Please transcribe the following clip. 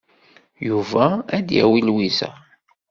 Yuba ad d-yawi Lwiza.